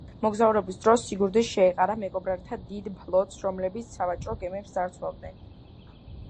მოგზაურობის დროს სიგურდი შეეყარა მეკობრეთა დიდ ფლოტს, რომლებიც სავაჭრო გემებს ძარცვავდნენ.